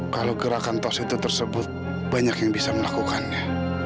kalau gerakan tos itu tersebut banyak yang bisa melakukannya